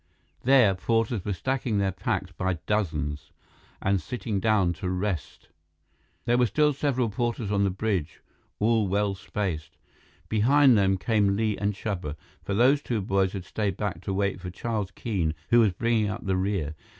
There, porters were stacking their packs by dozens and sitting down to rest. There were still several porters on the bridge, all well spaced. Behind them came Li and Chuba, for those two boys had stayed back to wait for Charles Keene, who was bringing up the rear.